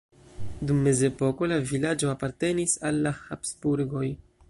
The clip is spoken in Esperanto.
Dum mezepoko la vilaĝo apartenis al la Habsburgoj.